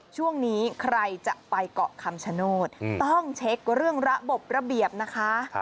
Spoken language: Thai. ช่วงนี้ใครจะไปเกาะคำชโนธต้องเช็คเรื่องระบบระเบียบนะคะ